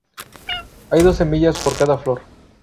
Hay dos semillas por cada flor.